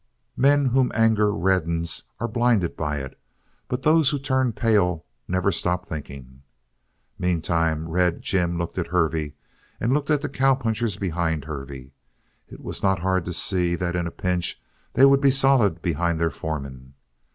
Men whom anger reddens are blinded by it; but those who turn pale never stop thinking. Meantime, Red Jim looked at Hervey and looked at the cowpunchers behind Hervey. It was not hard to see that in a pinch they would be solid behind their foreman.